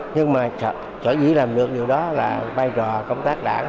nhưng mà sở dĩ làm được điều đó là vai trò công tác đảng